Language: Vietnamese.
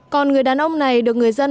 còn người đàn ông này được người dân